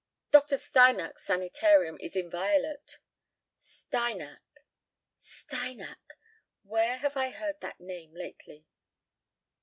Dr. Steinach's sanitarium is inviolate." "Steinach Steinach where have I heard that name lately?"